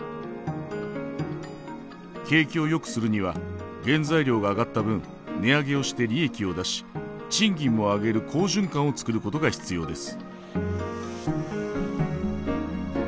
景気をよくするには原材料が上がった分値上げをして利益を出し賃金も上げる好循環を作ることが必要です。